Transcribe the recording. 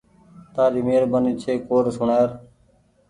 تآري مهربآني ڇي ڪوڊ سوڻآئي۔